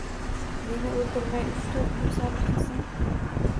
Meni óldirmay uch-tórt kun sabr qilsang